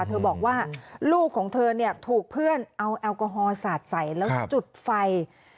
เธอบอกว่าลูกของเธอเนี่ยถูกเพื่อนเอาแอลกอฮอล์สาดใส่แล้วจุดไฟ